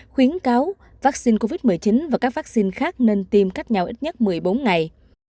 khuyến cáo vaccine covid một mươi chín và các vaccine khác nên tiêm cách nhau ít nhất một mươi bốn ngày